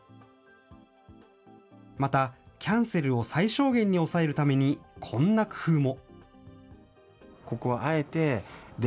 また、キャンセルを最小限に抑えるためにこんな工夫も。